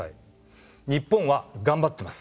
日本は頑張ってます。